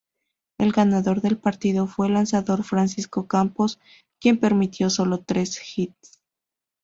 El ganador del partido fue el lanzador Francisco Campos, quien permitió solo tres hits.